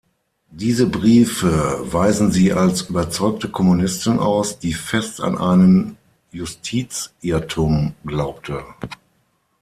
Diese Briefe weisen sie als überzeugte Kommunistin aus, die fest an einen Justizirrtum glaubte.